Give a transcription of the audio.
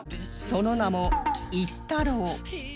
その名も煎っ太郎